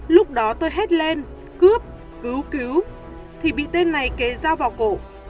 lúc đó tôi hét lên cướp cứu cứu thì bị tên này kế dao vào cổ